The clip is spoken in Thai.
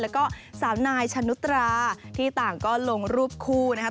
แล้วก็สาวนายชะนุตราที่ต่างก็ลงรูปคู่นะครับ